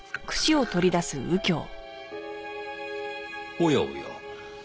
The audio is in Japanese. おやおや。